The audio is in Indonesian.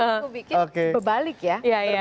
aku bikin sebalik ya